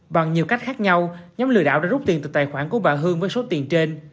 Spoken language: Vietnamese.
bằng nhiều cách khác nhau nhóm lừa đảo đã rút tiền từ tài khoản của bà hương với số tiền trên